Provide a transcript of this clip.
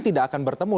tidak akan bertemu